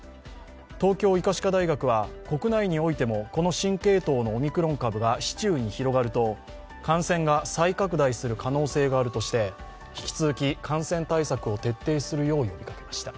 東京医科歯科大学は国内においてもこの新系統のオミクロン株が市中に広がると、感染が再拡大する可能性があるとして、引き続き感染対策を徹底するよう呼びかけました。